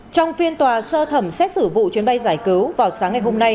trong phiên tòa sơ thẩm xét xử vụ chuyến bay giải cứu vào sáng ngày hôm nay